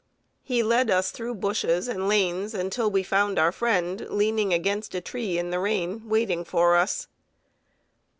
He led us through bushes and lanes until we found our friend, leaning against a tree in the rain, waiting for us.